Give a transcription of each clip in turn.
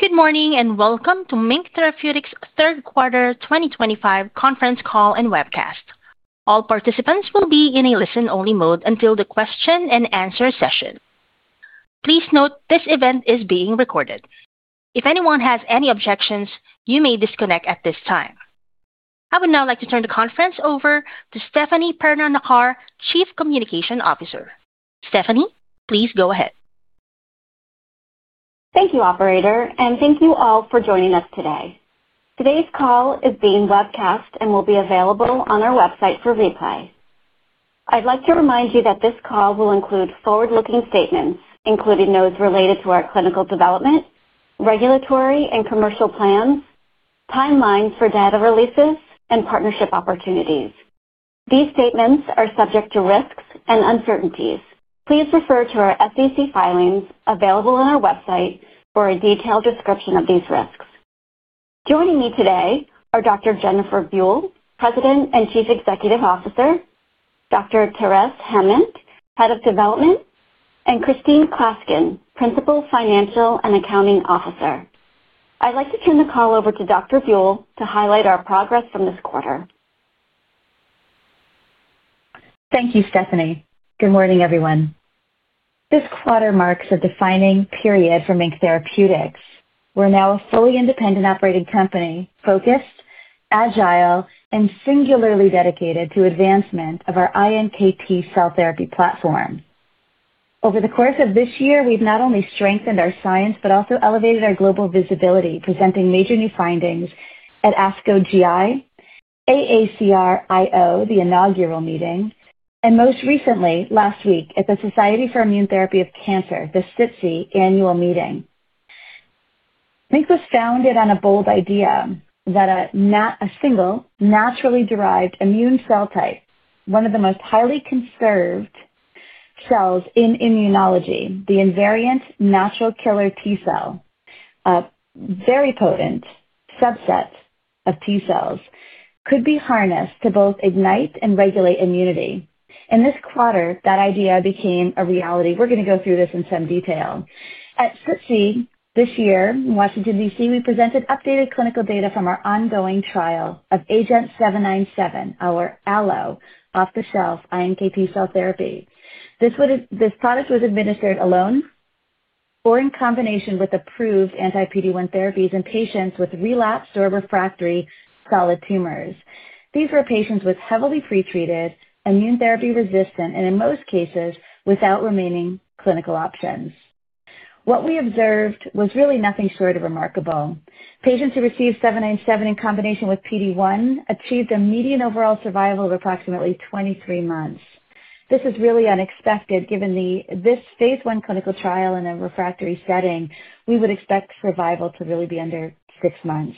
Good morning and welcome to MiNK Therapeutics' Third Quarter 2025 Conference Call and Webcast. All participants will be in a listen-only mode until the question and answer session. Please note this event is being recorded. If anyone has any objections, you may disconnect at this time. I would now like to turn the conference over to Stefanie Perna Nacar, Chief Communication Officer. Stefanie, please go ahead. Thank you, Operator, and thank you all for joining us today. Today's call is being Webcast and will be available on our website for replay. I'd like to remind you that this call will include forward-looking statements, including those related to our clinical development, regulatory and commercial plans, timelines for data releases, and partnership opportunities. These statements are subject to risks and uncertainties. Please refer to our SEC filings available on our website for a detailed description of these risks. Joining me today are Dr. Jennifer Buell, President and Chief Executive Officer; Dr. Therese Hammond, Head of Development; and Christine Klaskin, Principal Financial and Accounting Officer. I'd like to turn the call over to Dr. Buell to highlight our progress from this quarter. Thank you, Stephanie. Good morning, everyone. This quarter marks a defining period for MiNK Therapeutics. We're now a fully independent operating company, focused, agile, and singularly dedicated to the advancement of our iNKT Cell Therapy platform. Over the course of this year, we've not only strengthened our science but also elevated our global visibility, presenting major new findings at ASCO GI, AACR IO, the inaugural meeting, and most recently, last week, at the Society for Immunotherapy of Cancer, the SITC annual meeting. MiNK was founded on a bold idea that a single naturally derived immune cell type, one of the most highly conserved cells in immunology, the invariant natural killer T cell, a very potent subset of T cells, could be harnessed to both ignite and regulate immunity. In this quarter, that idea became a reality. We're going to go through this in some detail. At SITC this year in Washington, D.C., we presented updated clinical data from our ongoing trial of agenT-797, our allo off-the-shelf iNKT cell therapy. This product was administered alone or in combination with approved anti-PD-1 therapies in patients with relapsed or refractory solid tumors. These were patients with heavily pretreated, immune therapy resistant, and in most cases, without remaining clinical options. What we observed was really nothing short of remarkable. Patients who received 797 in combination with PD-1 achieved a median overall survival of approximately 23 months. This is really unexpected given this phase I clinical trial in a refractory setting. We would expect survival to really be under six months.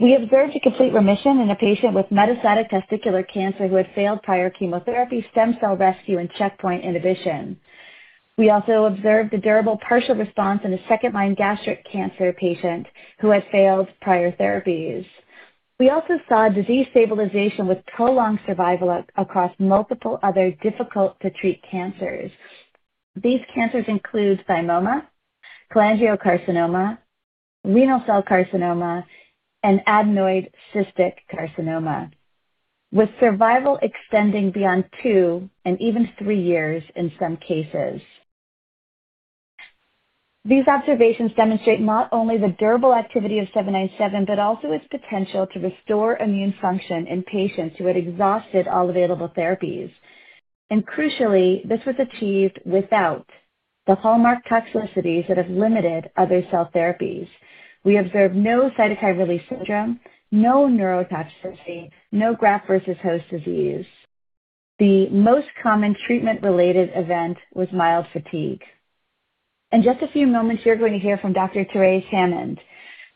We observed a complete remission in a patient with metastatic testicular cancer who had failed prior chemotherapy, stem cell rescue, and checkpoint inhibition. We also observed the durable partial response in a second-line gastric cancer patient who had failed prior therapies. We also saw disease stabilization with prolonged survival across multiple other difficult-to-treat cancers. These cancers include thymoma, cholangiocarcinoma, renal cell carcinoma, and adenoid cystic carcinoma, with survival extending beyond two and even three years in some cases. These observations demonstrate not only the durable activity of 797 but also its potential to restore immune function in patients who had exhausted all available therapies. Crucially, this was achieved without the hallmark toxicities that have limited other cell therapies. We observed no cytokine release syndrome, no neurotoxicity, no graft versus host disease. The most common treatment-related event was mild fatigue. In just a few moments, you're going to hear from Dr. Therese Hammond.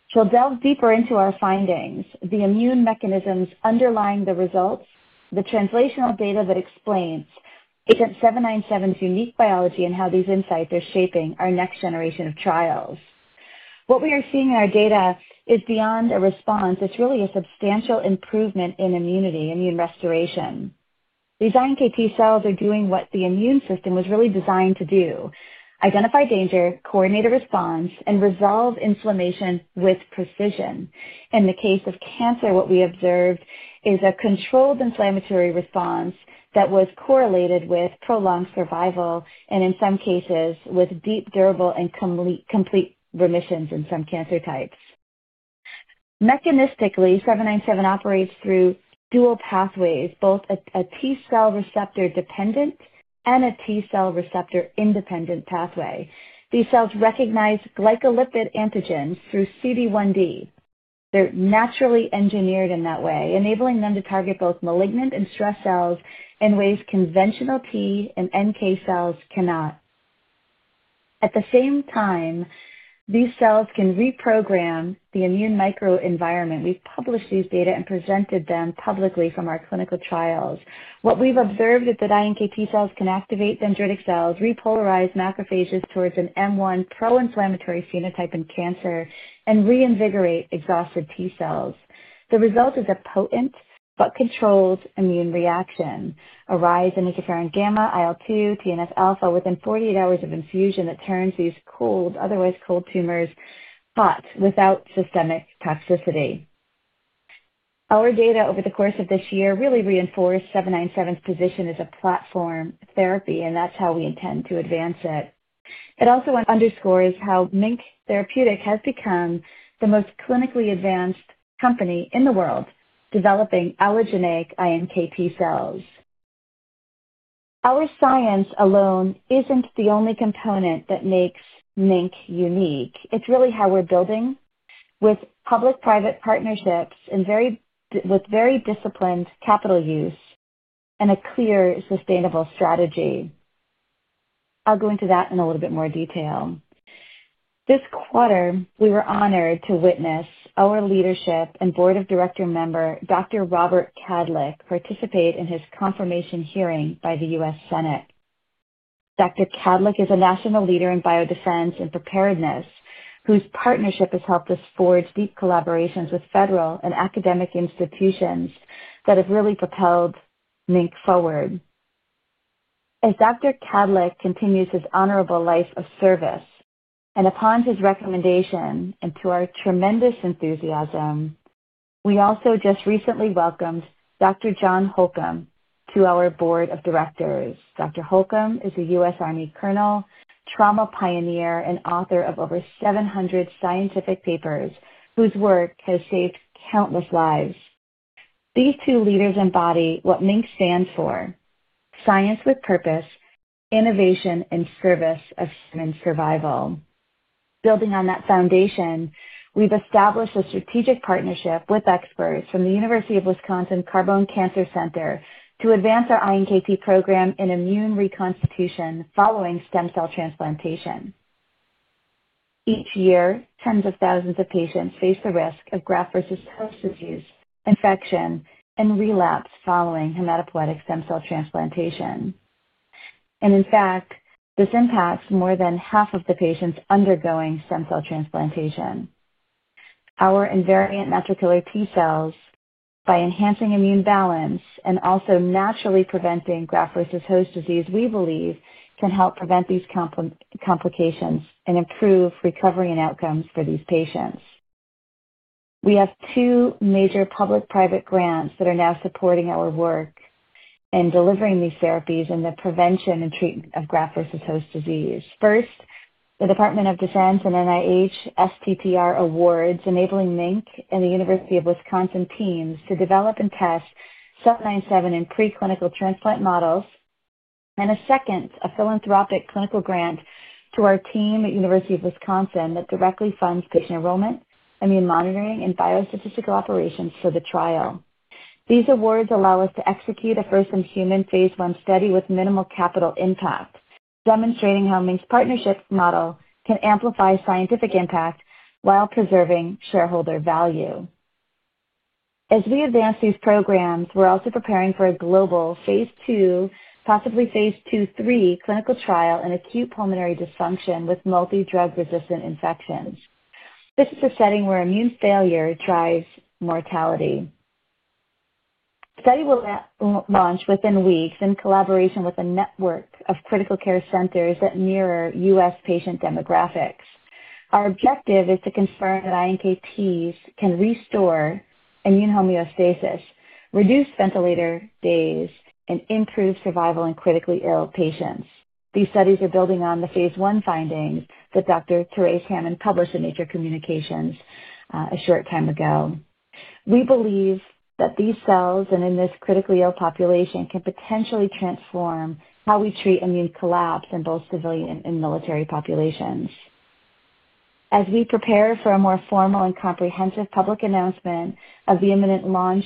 She'll delve deeper into our findings, the immune mechanisms underlying the results, the translational data that explains agenT-797's unique biology and how these insights are shaping our next generation of trials. What we are seeing in our data is beyond a response. It's really a substantial improvement in immunity, immune restoration. These iNKT cells are doing what the immune system was really designed to do: identify danger, coordinate a response, and resolve inflammation with precision. In the case of cancer, what we observed is a controlled inflammatory response that was correlated with prolonged survival and, in some cases, with deep, durable, and complete remissions in some cancer types. Mechanistically, 797 operates through dual pathways, both a T cell receptor-dependent and a T cell receptor-independent pathway. These cells recognize glycolipid antigens through CD1D. They're naturally engineered in that way, enabling them to target both malignant and stress cells in ways conventional T and NK cells cannot. At the same time, these cells can reprogram the immune microenvironment. We've published these data and presented them publicly from our clinical trials. What we've observed is that iNKT cells can activate dendritic cells, repolarize macrophages towards an M1 pro-inflammatory phenotype in cancer, and reinvigorate exhausted T cells. The result is a potent but controlled immune reaction, a rise in interferon gamma, IL-2, TNF-alpha within 48 hours of infusion that turns these otherwise cold tumors hot without systemic toxicity. Our data over the course of this year really reinforced 797's position as a platform therapy, and that's how we intend to advance it. It also underscores how MiNK Therapeutics has become the most clinically advanced company in the world developing allogeneic iNKT cells. Our science alone isn't the only component that makes MiNK unique. It's really how we're building with public-private partnerships and with very disciplined capital use and a clear sustainable strategy. I'll go into that in a little bit more detail. This quarter, we were honored to witness our leadership and board of director member, Dr. Robert Kadlec, participate in his confirmation hearing by the U.S. Senate. Dr. Kadlec is a national leader in biodefense and preparedness whose partnership has helped us forge deep collaborations with federal and academic institutions that have really propelled MiNK forward. As Dr. Kadlec continues his honorable life of service and upon his recommendation and to our tremendous enthusiasm, we also just recently welcomed Dr. John Holcomb to our board of directors. Dr. Holcomb is a U.S. Army colonel, trauma pioneer, and author of over 700 scientific papers whose work has saved countless lives. These two leaders embody what MiNK stands for: science with purpose, innovation, and service of human survival. Building on that foundation, we've established a strategic partnership with experts from the University of Wisconsin Carbone Cancer Center to advance our iNKT program in immune reconstitution following stem cell transplantation. Each year, tens of thousands of patients face the risk of graft versus host disease, infection, and relapse following hematopoietic stem cell transplantation. In fact, this impacts more than half of the patients undergoing stem cell transplantation. Our invariant natural killer T cells, by enhancing immune balance and also naturally preventing graft versus host disease, we believe can help prevent these complications and improve recovery and outcomes for these patients. We have two major public-private grants that are now supporting our work in delivering these therapies in the prevention and treatment of graft versus host disease. First, the Department of Defense and NIH STTR awards enabling MiNK and the University of Wisconsin teams to develop and test 797 in preclinical transplant models. A second, a philanthropic clinical grant to our team at University of Wisconsin that directly funds patient enrollment, immune monitoring, and biostatistical operations for the trial. These awards allow us to execute a first-in-human phase I study with minimal capital impact, demonstrating how MiNK's partnership model can amplify scientific impact while preserving shareholder value. As we advance these programs, we're also preparing for a global phase II, possibly phase II-III clinical trial in acute pulmonary dysfunction with multi-drug resistant infections. This is a setting where immune failure drives mortality. The study will launch within weeks in collaboration with a network of critical care centers that mirror U.S. patient demographics. Our objective is to confirm that iNKTs can restore immune homeostasis, reduce ventilator days, and improve survival in critically ill patients. These studies are building on the phase I findings that Dr. Therese Hammond published in Nature Communications a short time ago. We believe that these cells and in this critically ill population can potentially transform how we treat immune collapse in both civilian and military populations. As we prepare for a more formal and comprehensive public announcement of the imminent launch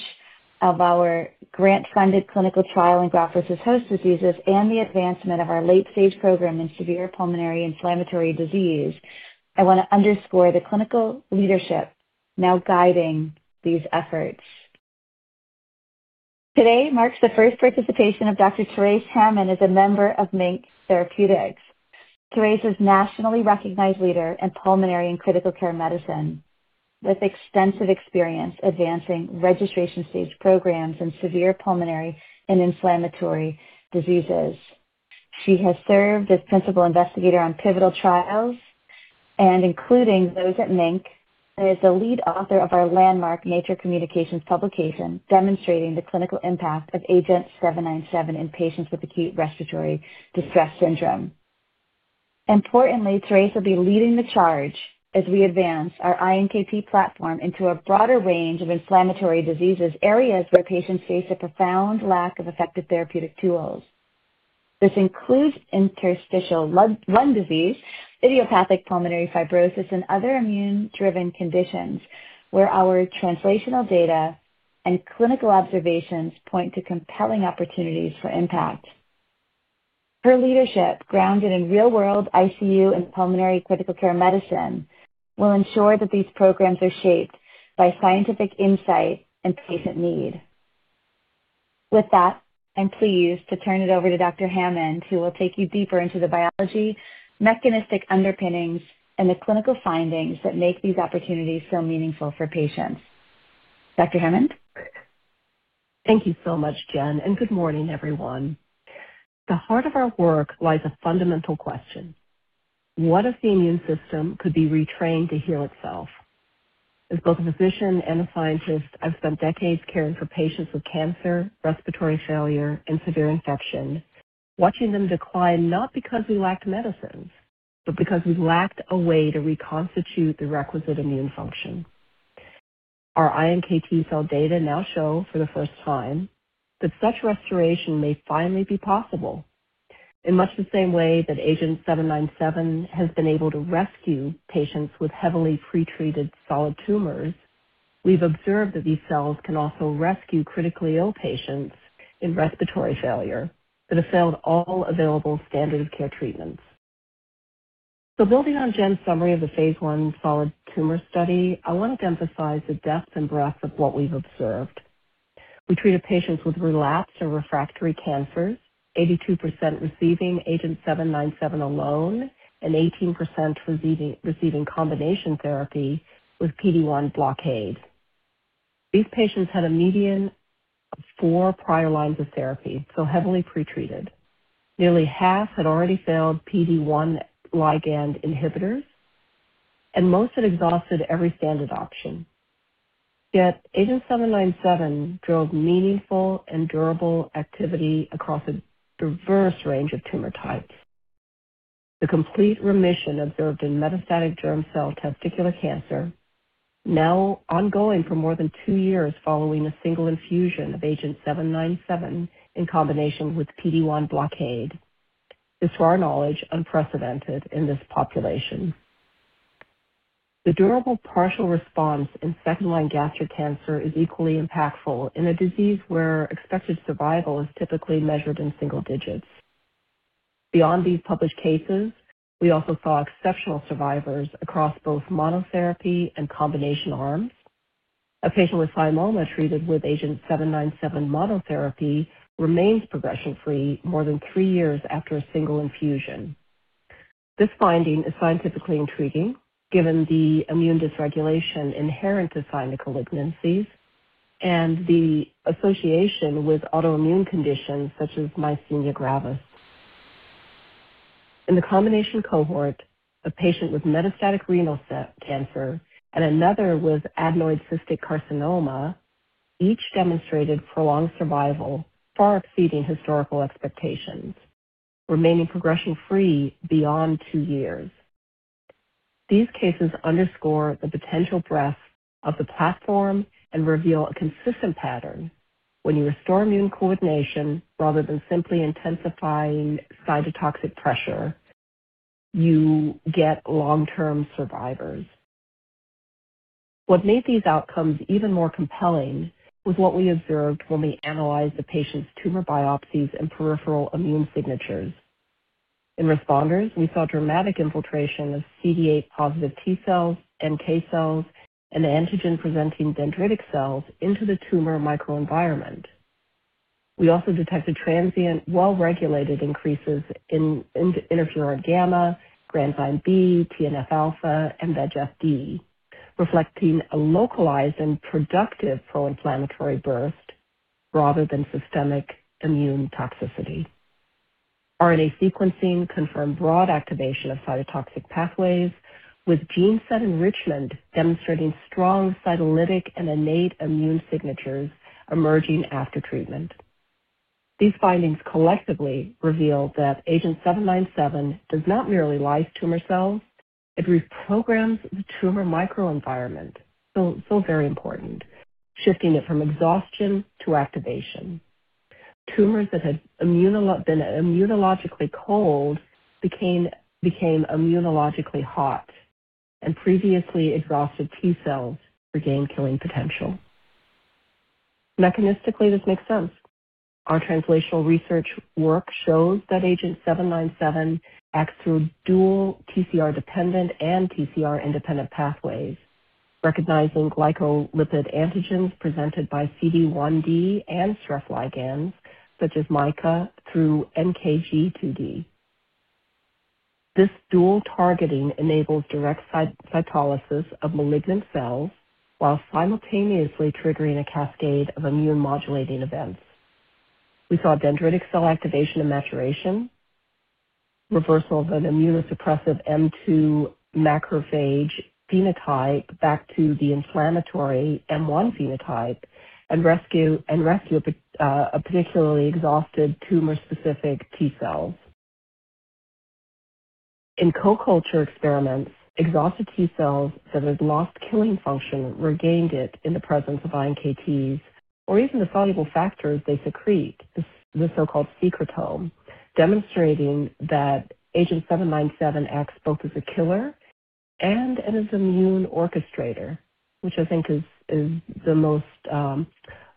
of our grant-funded clinical trial in graft versus host disease and the advancement of our late-stage program in severe pulmonary inflammatory disease, I want to underscore the clinical leadership now guiding these efforts. Today marks the first participation of Dr. Therese Hammond as a member of MiNK Therapeutics. Therese is a nationally recognized leader in pulmonary and critical care medicine with extensive experience advancing registration-stage programs in severe pulmonary and inflammatory diseases. She has served as principal investigator on pivotal trials and, including those at MiNK, is the lead author of our landmark Nature Communications publication demonstrating the clinical impact of agenT-797 in patients with acute Respiratory distress syndrome. Importantly, Therese will be leading the charge as we advance our iNKT platform into a broader range of inflammatory diseases, areas where patients face a profound lack of effective therapeutic tools. This includes interstitial lung disease, idiopathic pulmonary fibrosis, and other immune-driven conditions where our translational data and clinical observations point to compelling opportunities for impact. Her leadership, grounded in real-world ICU and pulmonary critical care medicine, will ensure that these programs are shaped by scientific insight and patient need. With that, I'm pleased to turn it over to Dr. Hammond, who will take you deeper into the biology, mechanistic underpinnings, and the clinical findings that make these opportunities so meaningful for patients. Dr. Hammond? Thank you so much, Jen, and good morning, everyone. At the heart of our work lies a fundamental question: what if the immune system could be retrained to heal itself? As both a physician and a scientist, I've spent decades caring for patients with cancer, Respiratory failure, and severe infection, watching them decline not because we lacked medicines, but because we lacked a way to reconstitute the requisite immune function. Our iNKT cell data now show, for the first time, that such restoration may finally be possible. In much the same way that agenT-797 has been able to rescue patients with heavily pretreated solid tumors, we've observed that these cells can also rescue critically ill patients in Respiratory failure that have failed all available standard of care treatments. Building on Jen's summary of the phase I solid tumor study, I want to emphasize the depth and breadth of what we've observed. We treated patients with relapsed or refractory cancers, 82% receiving agenT-797 alone and 18% receiving combination therapy with PD-1 blockade. These patients had a median of four prior lines of therapy, so heavily pretreated. Nearly half had already failed PD-1 ligand inhibitors, and most had exhausted every standard option. Yet, agenT-797 drove meaningful and durable activity across a diverse range of tumor types. The complete remission observed in metastatic germ cell testicular cancer, now ongoing for more than two years following a single infusion of agenT-797 in combination with PD-1 blockade, is, to our knowledge, unprecedented in this population. The durable partial response in second-line gastric cancer is equally impactful in a disease where expected survival is typically measured in single digits. Beyond these published cases, we also saw exceptional survivors across both monotherapy and combination arms. A patient with thymoma treated with agenT-797 monotherapy remains progression-free more than three years after a single infusion. This finding is scientifically intriguing given the immune dysregulation inherent to thymic malignancies and the association with autoimmune conditions such as myasthenia gravis. In the combination cohort, a patient with metastatic renal cancer and another with adenoid cystic carcinoma each demonstrated prolonged survival far exceeding historical expectations, remaining progression-free beyond two years. These cases underscore the potential breadth of the platform and reveal a consistent pattern: when you restore immune coordination rather than simply intensifying cytotoxic pressure, you get long-term survivors. What made these outcomes even more compelling was what we observed when we analyzed the patient's tumor biopsies and peripheral immune signatures. In responders, we saw dramatic infiltration of CD8-positive T cells, NK cells, and the antigen-presenting dendritic cells into the tumor microenvironment. We also detected transient, well-regulated increases in interferon gamma, granzyme B, TNF-alpha, and VEGF-D, reflecting a localized and productive pro-inflammatory burst rather than systemic immune toxicity. R&A sequencing confirmed broad activation of cytotoxic pathways, with gene set enrichment demonstrating strong cytolytic and innate immune signatures emerging after treatment. These findings collectively reveal that AGENT-797 does not merely lyse tumor cells; it reprograms the tumor microenvironment—so very important—shifting it from exhaustion to activation. Tumors that had been immunologically cold became immunologically hot, and previously exhausted T cells regained killing potential. Mechanistically, this makes sense. Our translational research work shows that agenT-797 acts through dual TCR-dependent and TCR-independent pathways, recognizing glycolipid antigens presented by CD1d and stress ligands such as MICA through NKG2D. This dual targeting enables direct cytolysis of malignant cells while simultaneously triggering a cascade of immune-modulating events. We saw dendritic cell activation and maturation, reversal of an immunosuppressive M2 macrophage phenotype back to the inflammatory M1 phenotype, and rescue of particularly exhausted tumor-specific T cells. In co-culture experiments, exhausted T cells that had lost killing function regained it in the presence of iNKTs or even the soluble factors they secrete, the so-called secretome, demonstrating that agenT-797 acts both as a killer and as an immune orchestrator, which I think is the most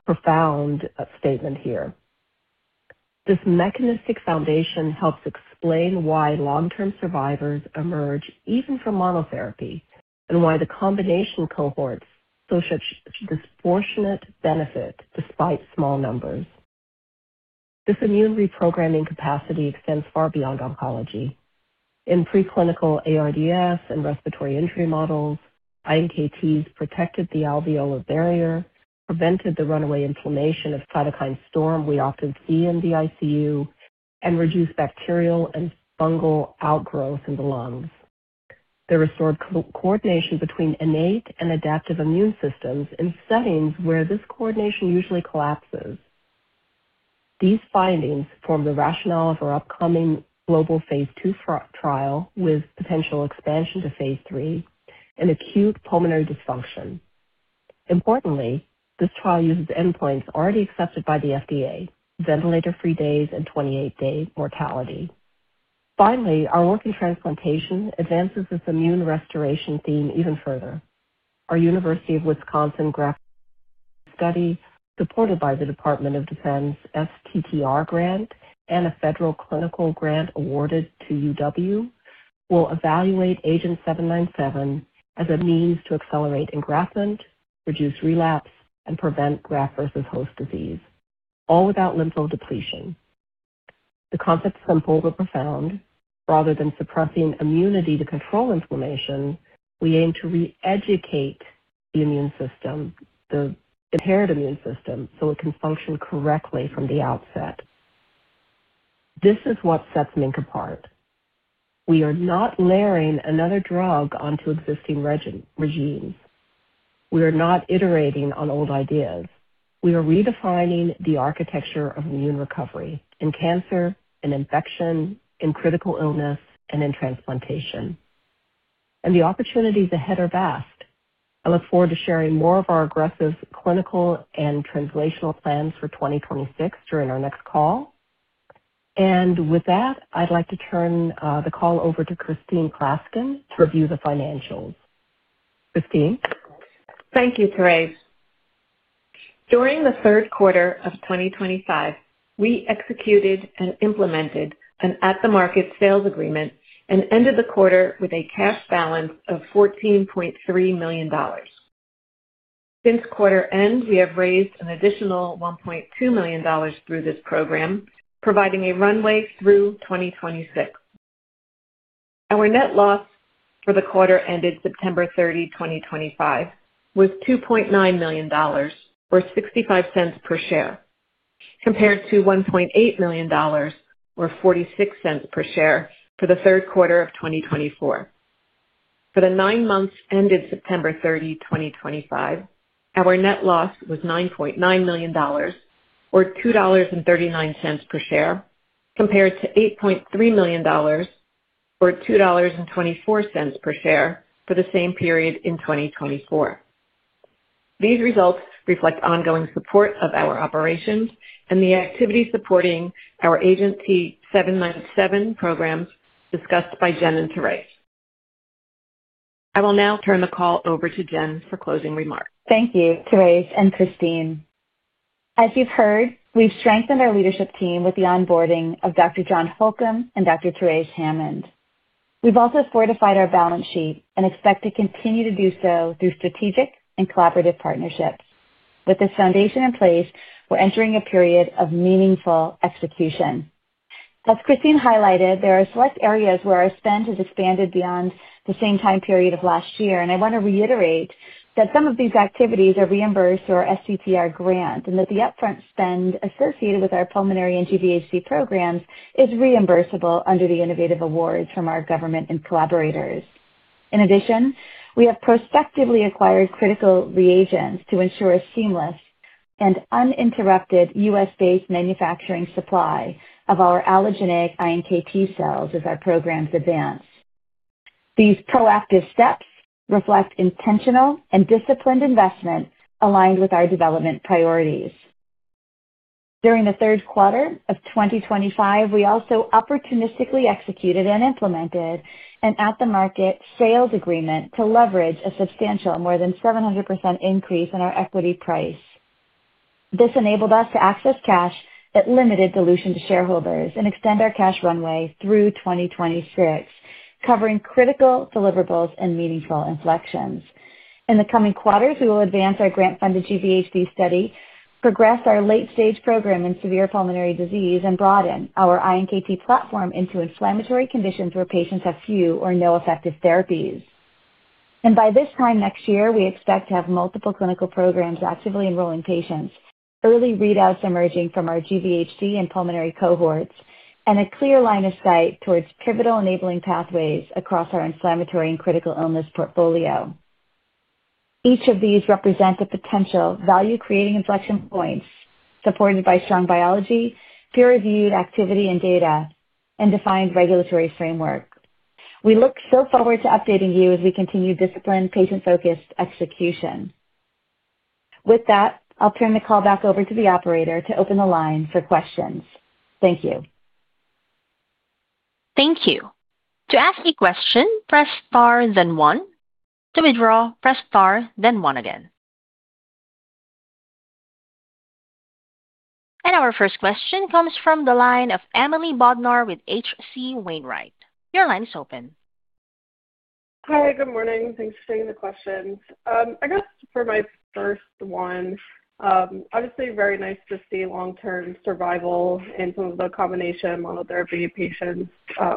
profound statement here. This mechanistic foundation helps explain why long-term survivors emerge even from monotherapy and why the combination cohorts show such disproportionate benefit despite small numbers. This immune reprogramming capacity extends far beyond oncology. In preclinical ARDS and Respiratory injury models, iNKTs protected the alveolar barrier, prevented the runaway inflammation of cytokine storm we often see in the ICU, and reduced bacterial and fungal outgrowth in the lungs. They restored coordination between innate and adaptive immune systems in settings where this coordination usually collapses. These findings form the rationale of our upcoming global phase two trial with potential expansion to phase three in acute pulmonary dysfunction. Importantly, this trial uses endpoints already accepted by the FDA: ventilator-free days and 28-day mortality. Finally, our work in transplantation advances this immune restoration theme even further. Our University of Wisconsin graft study, supported by the Department of Defense STTR grant and a federal clinical grant awarded to UW, will evaluate agenT-797 as a means to accelerate engraftment, reduce relapse, and prevent graft versus host disease, all without lymphodepletion. The concept is simple but profound: rather than suppressing immunity to control inflammation, we aim to re-educate the immune system, the impaired immune system, so it can function correctly from the outset. This is what sets MiNK apart. We are not layering another drug onto existing regimes. We are not iterating on old ideas. We are redefining the architecture of immune recovery in cancer, in infection, in critical illness, and in transplantation. The opportunities ahead are vast. I look forward to sharing more of our aggressive clinical and translational plans for 2026 during our next call. With that, I'd like to turn the call over to Christine Klaskin to review the financials. Christine? Thank you, Therese. During the Third Quarter of 2025, we executed and implemented an at-the-market sales agreement and ended the quarter with a cash balance of $14.3 million. Since quarter end, we have raised an additional $1.2 million through this program, providing a runway through 2026. Our net loss for the quarter ended September 30, 2025, was $2.9 million, or $0.65 per share, compared to $1.8 million, or $0.46 per share, for the Third Quarter of 2024. For the nine months ended September 30, 2025, our net loss was $9.9 million, or $2.39 per share, compared to $8.3 million, or $2.24 per share for the same period in 2024. These results reflect ongoing support of our operations and the activity supporting our agenT-797 programs discussed by Jen and Therese. I will now turn the call over to Jen for closing remarks. Thank you, Therese and Christine. As you've heard, we've strengthened our leadership team with the onboarding of Dr. John Holcomb and Dr. Therese Hammond. We've also fortified our balance sheet and expect to continue to do so through strategic and collaborative partnerships. With this foundation in place, we're entering a period of meaningful execution. As Christine highlighted, there are select areas where our spend has expanded beyond the same time period of last year, and I want to reiterate that some of these activities are reimbursed through our STTR grant and that the upfront spend associated with our pulmonary and GVHD programs is reimbursable under the innovative awards from our government and collaborators. In addition, we have prospectively acquired critical reagents to ensure a seamless and uninterrupted U.S.-based manufacturing supply of our allogeneic iNKT cells as our programs advance. These proactive steps reflect intentional and disciplined investment aligned with our development priorities. During the Third Quarter of 2025, we also opportunistically executed and implemented an at-the-market sales agreement to leverage a substantial more-than-700% increase in our equity price. This enabled us to access cash that limited dilution to shareholders and extend our cash runway through 2026, covering critical deliverables and meaningful inflections. In the coming quarters, we will advance our grant-funded GVHD study, progress our late-stage program in severe pulmonary disease, and broaden our iNKT platform into inflammatory conditions where patients have few or no effective therapies. By this time next year, we expect to have multiple clinical programs actively enrolling patients, early readouts emerging from our GVHD and pulmonary cohorts, and a clear line of sight towards pivotal enabling pathways across our inflammatory and critical illness portfolio. Each of these represents a potential value-creating inflection point, supported by strong biology, peer-reviewed activity and data, and defined regulatory framework. We look so forward to updating you as we continue disciplined, patient-focused execution. With that, I'll turn the call back over to the operator to open the line for questions, thank you. Thank you. To ask a question, press star then one. To withdraw, press star then one again. Our first question comes from the line of Emily Bodnar with H.C. Wainwright. Your line is open. Hi, good morning. Thanks for taking the question. I guess for my first one, obviously very nice to see long-term survival in some of the combination monotherapy patients. I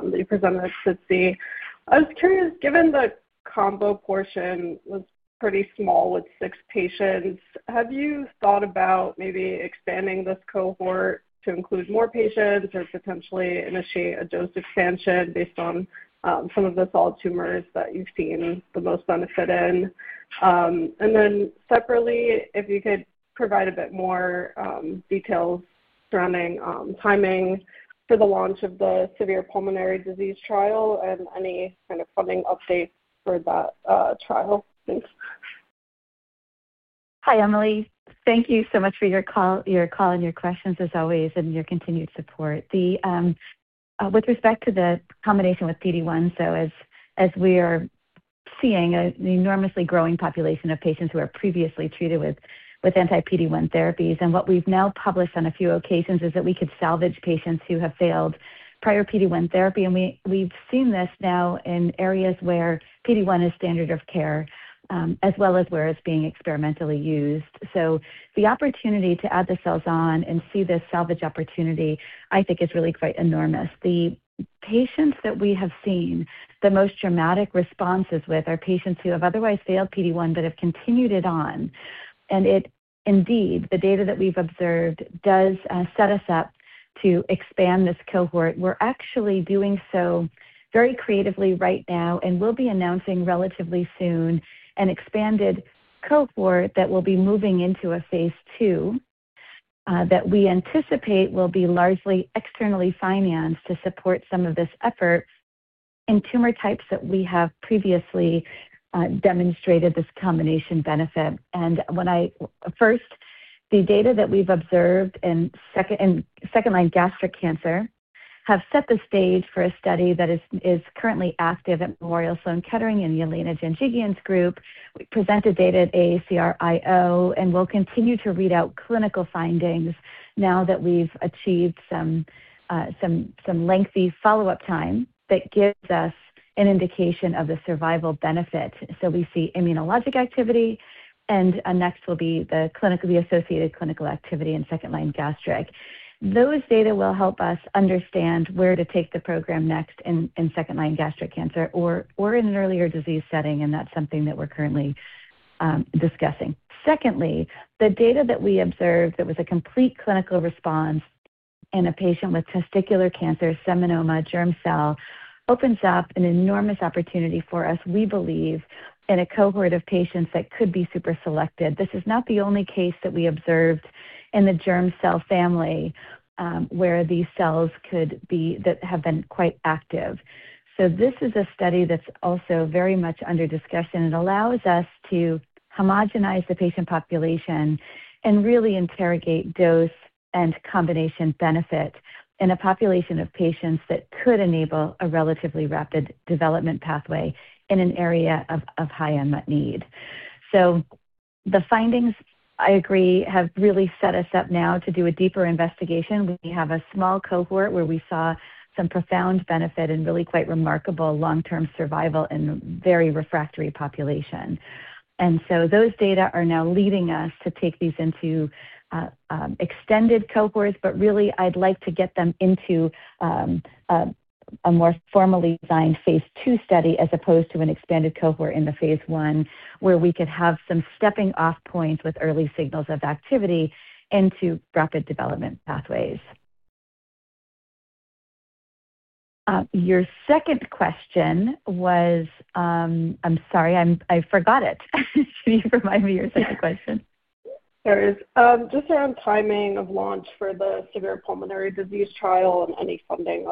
was curious, given the combo portion was pretty small with six patients, have you thought about maybe expanding this cohort to include more patients or potentially initiate a dose expansion based on some of the solid tumors that you've seen the most benefit in? Then separately, if you could provide a bit more details surrounding timing for the launch of the severe pulmonary disease trial and any kind of funding updates for that trial. Thanks. Hi, Emily. Thank you so much for your call and your questions as always and your continued support. With respect to the combination with PD-1, as we are seeing an enormously growing population of patients who are previously treated with anti-PD-1 therapies, what we've now published on a few occasions is that we could salvage patients who have failed prior PD-1 therapy. We've seen this now in areas where PD-1 is standard of care as well as where it's being experimentally used. The opportunity to add the cells on and see this salvage opportunity, I think, is really quite enormous. The patients that we have seen the most dramatic responses with are patients who have otherwise failed PD-1 but have continued it on. Indeed, the data that we've observed does set us up to expand this cohort. We're actually doing so very creatively right now and will be announcing relatively soon an expanded cohort that will be moving into a phase two that we anticipate will be largely externally financed to support some of this effort in tumor types that we have previously demonstrated this combination benefit. The data that we've observed in second-line gastric cancer have set the stage for a study that is currently active at Memorial Sloan Kettering and Yelena Janjigian's group. We presented data at AACRIO and will continue to read out clinical findings now that we've achieved some lengthy follow-up time that gives us an indication of the survival benefit. We see immunologic activity, and next will be the clinically associated clinical activity in second-line gastric. Those data will help us understand where to take the program next in second-line gastric cancer or in an earlier disease setting, and that's something that we're currently discussing. Secondly, the data that we observed that was a complete clinical response in a patient with testicular cancer, seminoma, germ cell, opens up an enormous opportunity for us, we believe, in a cohort of patients that could be superselected. This is not the only case that we observed in the germ cell family where these cells could be that have been quite active. This is a study that's also very much under discussion. It allows us to homogenize the patient population and really interrogate dose and combination benefit in a population of patients that could enable a relatively rapid development pathway in an area of high unmet need. The findings, I agree, have really set us up now to do a deeper investigation. We have a small cohort where we saw some profound benefit and really quite remarkable long-term survival in a very refractory population. Those data are now leading us to take these into extended cohorts, but really, I'd like to get them into a more formally designed phase two study as opposed to an expanded cohort in the phase one where we could have some stepping-off points with early signals of activity into rapid development pathways. Your second question was, I'm sorry, I forgot it. Can you remind me your second question? Therese, just around timing of launch for the severe pulmonary disease trial and any funding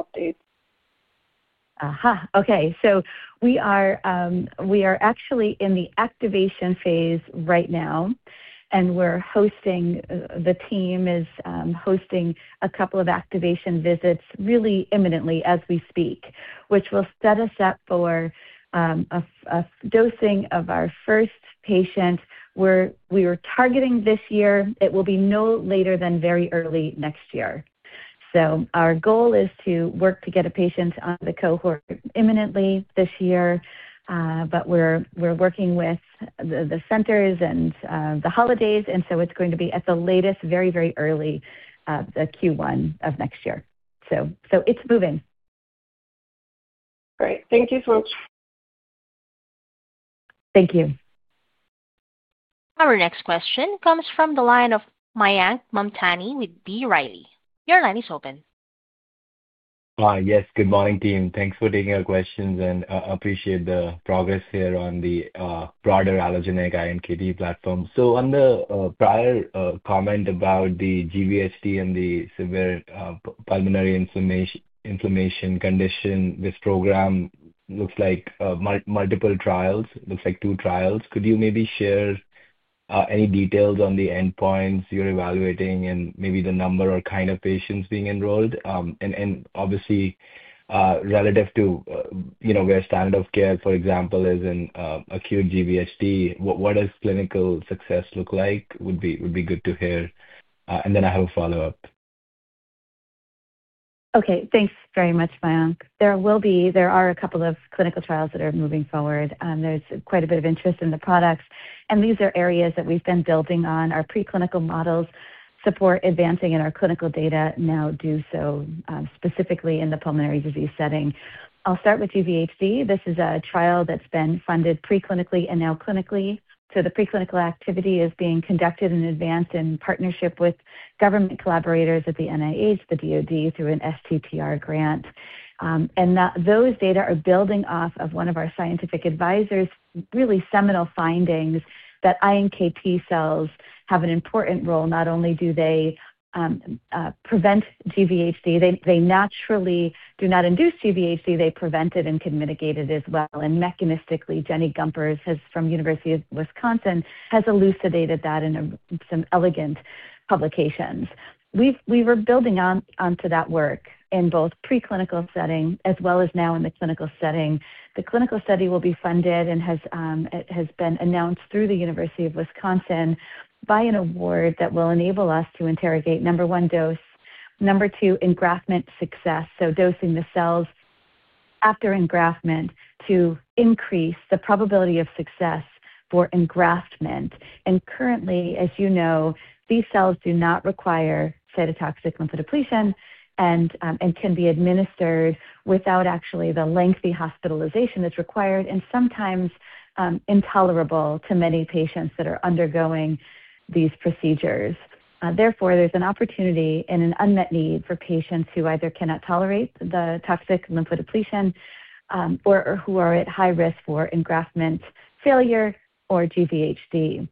updates. We are actually in the activation phase right now, and we're hosting, the team is hosting a couple of activation visits really imminently as we speak, which will set us up for a dosing of our first patient we were targeting this year. It will be no later than very early next year. Our goal is to work to get a patient on the cohort imminently this year, but we're working with the centers and the holidays, and so it's going to be at the latest, very, very early, the Q1 of next year. It's moving. Great. Thank you so much. Thank you. Our next question comes from the line of Mayank Mamtani with B. Riley. Your line is open. Yes. Good morning, team. Thanks for taking our questions, and I appreciate the progress here on the broader allogeneic iNKT platform. On the prior comment about the GVHD and the severe pulmonary inflammation condition, this program looks like multiple trials, looks like two trials. Could you maybe share any details on the endpoints you're evaluating and maybe the number or kind of patients being enrolled? Obviously, relative to where standard of care, for example, is in acute GVHD, what does clinical success look like? Would be good to hear. I have a follow-up. Okay. Thanks very much, Mayank. There are a couple of clinical trials that are moving forward. There's quite a bit of interest in the products. These are areas that we've been building on. Our preclinical models support advancing and our clinical data now do so specifically in the pulmonary disease setting. I'll start with GVHD. This is a trial that's been funded preclinically and now clinically. The preclinical activity is being conducted in advance in partnership with government collaborators at the NIH, the DOD, through an STTR grant. Those data are building off of one of our scientific advisors' really seminal findings that iNKT cells have an important role. Not only do they prevent GVHD, they naturally do not induce GVHD, they prevent it and can mitigate it as well. Mechanistically, Jennifer Gumperz from the University of Wisconsin has elucidated that in some elegant publications. We were building onto that work in both preclinical setting as well as now in the clinical setting. The clinical study will be funded and has been announced through the University of Wisconsin by an award that will enable us to interrogate number one, dose. Number two, engraftment success. Dosing the cells after engraftment to increase the probability of success for engraftment. Currently, as you know, these cells do not require cytotoxic lymphodepletion and can be administered without actually the lengthy hospitalization that's required and sometimes intolerable to many patients that are undergoing these procedures. Therefore, there's an opportunity and an unmet need for patients who either cannot tolerate the toxic lymphodepletion or who are at high risk for engraftment failure or GVHD.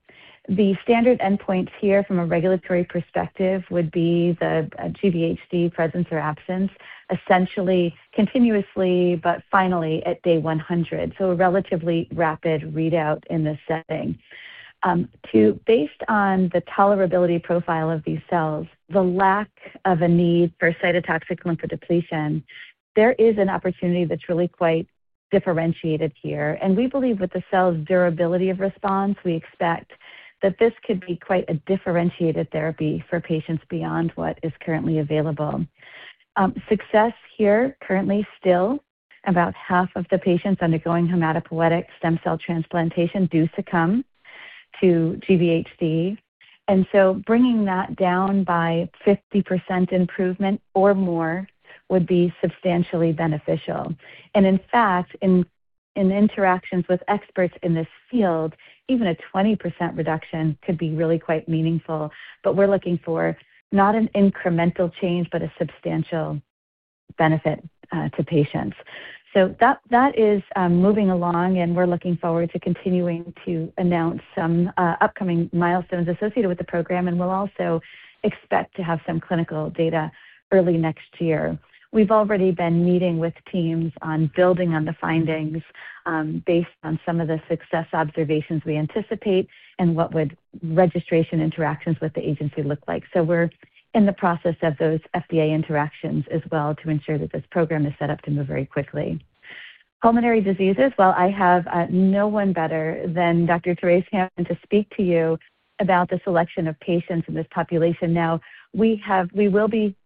The standard endpoint here from a regulatory perspective would be the GVHD presence or absence, essentially continuously, but finally at day 100. So, relatively rapid readout in this setting. Based on the tolerability profile of these cells, the lack of a need for cytotoxic lymphodepletion, there is an opportunity that's really quite differentiated here. We believe with the cell's durability of response, we expect that this could be quite a differentiated therapy for patients beyond what is currently available. Success here currently still about half of the patients undergoing hematopoietic stem cell transplantation do succumb to GVHD. Bringing that down by 50% improvement or more would be substantially beneficial. In fact, in interactions with experts in this field, even a 20% reduction could be really quite meaningful. We are looking for not an incremental change, but a substantial benefit to patients. That is moving along, and we are looking forward to continuing to announce some upcoming milestones associated with the program. We will also expect to have some clinical data early next year. We have already been meeting with teams on building on the findings based on some of the success observations we anticipate and what registration interactions with the agency would look like. We are in the process of those FDA interactions as well to ensure that this program is set up to move very quickly. Pulmonary diseases, I have no one better than Dr. Therese Hammond to speak to you about the selection of patients in this population. We will be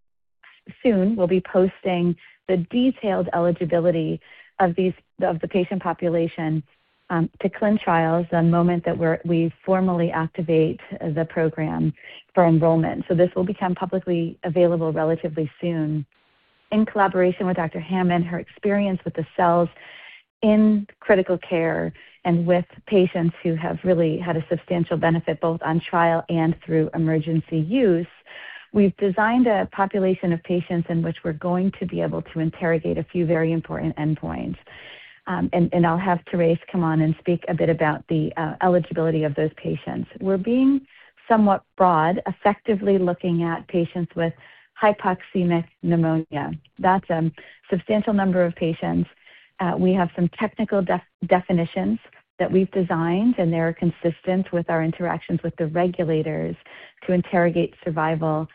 soon, we'll be posting the detailed eligibility of the patient population to clin trials the moment that we formally activate the program for enrollment. This will become publicly available relatively soon in collaboration with Dr. Hammond, her experience with the cells in critical care and with patients who have really had a substantial benefit both on trial and through emergency use. We've designed a population of patients in which we're going to be able to interrogate a few very important endpoints. I'll have Therese come on and speak a bit about the eligibility of those patients. We're being somewhat broad, effectively looking at patients with hypoxemic pneumonia. That's a substantial number of patients. We have some technical definitions that we've designed, and they're consistent with our interactions with the regulators to interrogate survival,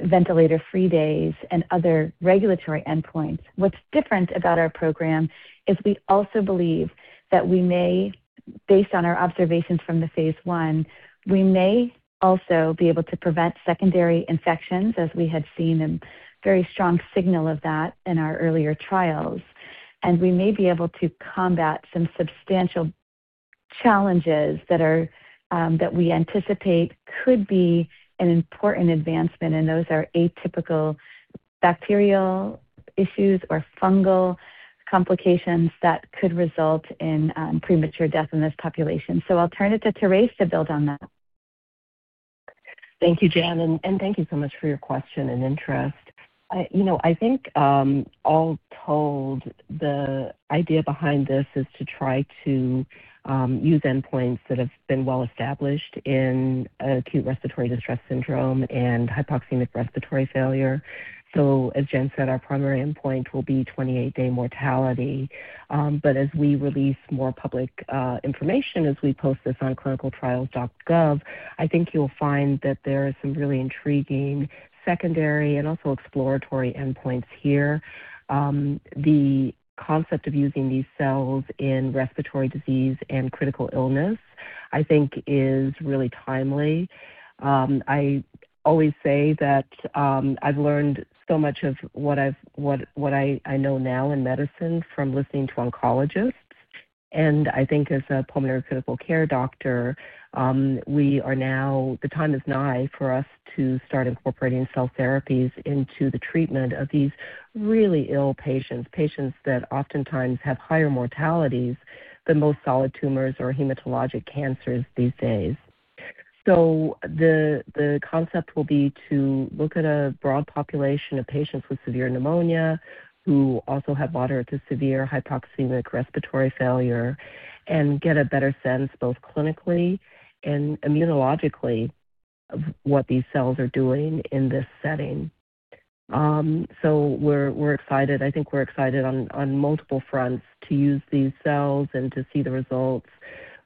ventilator-free days, and other regulatory endpoints. What's different about our program is we also believe that we may, based on our observations from the phase I, we may also be able to prevent secondary infections as we had seen a very strong signal of that in our earlier trials. We may be able to combat some substantial challenges that we anticipate could be an important advancement, and those are atypical bacterial issues or fungal complications that could result in premature death in this population. I'll turn it to Therese to build on that. Thank you, Jen, and thank you so much for your question and interest. I think all told, the idea behind this is to try to use endpoints that have been well established in acute Respiratory distress syndrome and hypoxemic Respiratory failure. As Jen said, our primary endpoint will be 28-day mortality. As we release more public information, as we post this on clinicaltrials.gov, I think you'll find that there are some really intriguing secondary and also exploratory endpoints here. The concept of using these cells in Respiratory disease and critical illness, I think, is really timely. I always say that I've learned so much of what I know now in medicine from listening to oncologists. I think as a pulmonary critical care doctor, we are now, the time is nigh for us to start incorporating cell therapies into the treatment of these really ill patients, patients that oftentimes have higher mortalities than most solid tumors or hematologic cancers these days. The concept will be to look at a broad population of patients with severe pneumonia who also have moderate to severe hypoxemic Respiratory failure and get a better sense both clinically and immunologically of what these cells are doing in this setting. We're excited. I think we're excited on multiple fronts to use these cells and to see the results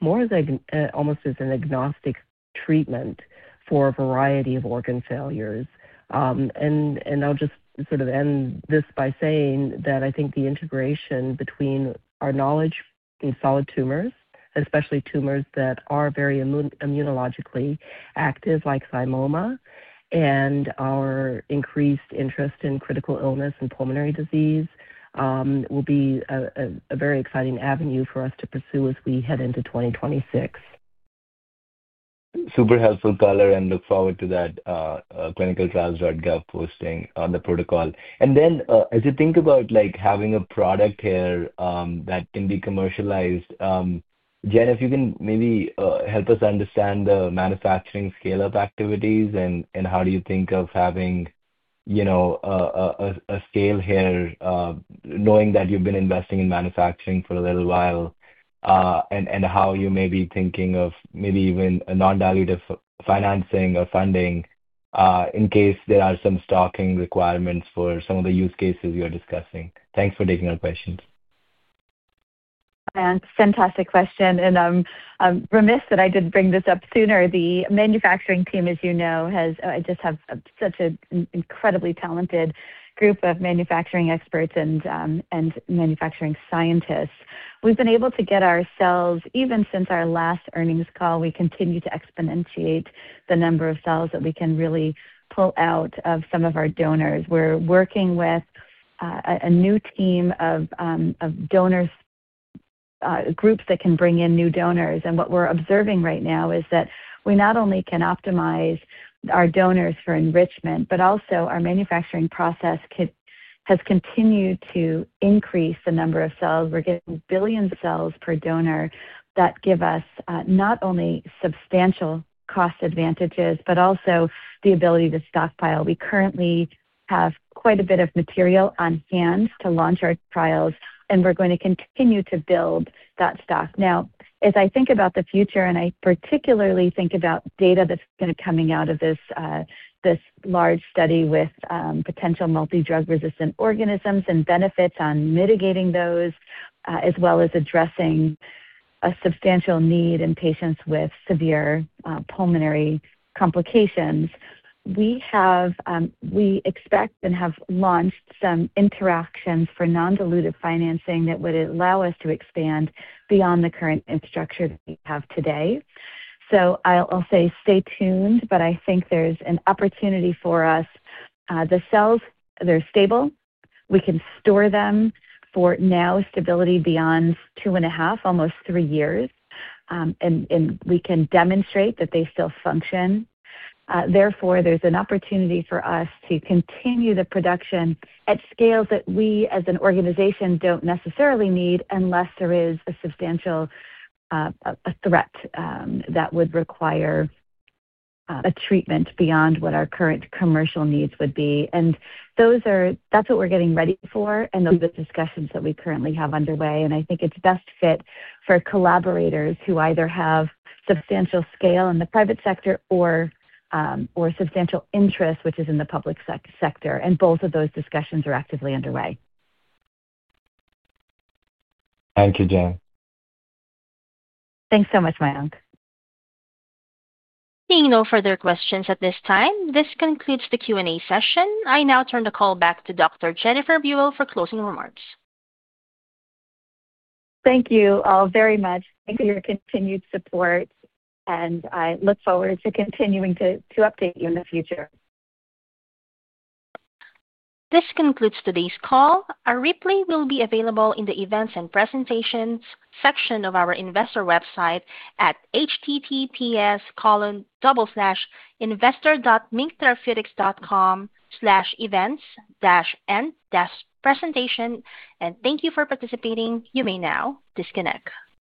more almost as an agnostic treatment for a variety of organ failures. I'll just sort of end this by saying that I think the integration between our knowledge in solid tumors, especially tumors that are very immunologically active like thymoma, and our increased interest in critical illness and pulmonary disease will be a very exciting avenue for us to pursue as we head into 2026. Super helpful, Color, and look forward to that clinicaltrials.gov posting on the protocol. As you think about having a product here that can be commercialized, Jen, if you can maybe help us understand the manufacturing scale-up activities and how do you think of having a scale here, knowing that you've been investing in manufacturing for a little while, and how you may be thinking of maybe even non-dilutive financing or funding in case there are some stocking requirements for some of the use cases you're discussing. Thanks for taking our questions. Fantastic question. I'm remiss that I did not bring this up sooner. The manufacturing team, as you know, just have such an incredibly talented group of manufacturing experts and manufacturing scientists. We've been able to get our cells even since our last earnings call. We continue to exponentiate the number of cells that we can really pull out of some of our donors. We're working with a new team of donor groups that can bring in new donors. What we're observing right now is that we not only can optimize our donors for enrichment, but also our manufacturing process has continued to increase the number of cells. We're getting billions of cells per donor that give us not only substantial cost advantages, but also the ability to stockpile. We currently have quite a bit of material on hand to launch our trials, and we're going to continue to build that stock. Now, as I think about the future, and I particularly think about data that's going to be coming out of this large study with potential multi-drug resistant organisms and benefits on mitigating those as well as addressing a substantial need in patients with severe pulmonary complications, we expect and have launched some interactions for non-dilutive financing that would allow us to expand beyond the current infrastructure that we have today. I'll say stay tuned, but I think there's an opportunity for us. The cells, they're stable. We can store them for now stability beyond two and a half, almost three years. We can demonstrate that they still function. Therefore, there's an opportunity for us to continue the production at scales that we as an organization don't necessarily need unless there is a substantial threat that would require a treatment beyond what our current commercial needs would be. That is what we are getting ready for and the discussions that we currently have underway. I think it is best fit for collaborators who either have substantial scale in the private sector or substantial interest, which is in the public sector. Both of those discussions are actively underway. Thank you, Jen. Thanks so much, Mayank. Seeing no further questions at this time, this concludes the Q&A session. I now turn the call back to Dr. Jennifer Buell for closing remarks. Thank you all very much. Thank you for your continued support, and I look forward to continuing to update you in the future. This concludes today's call. Our replay will be available in the events and presentations section of our investor website at https://investor.minktherapeutics.com/events/end-presentation. Thank you for participating. You may now disconnect.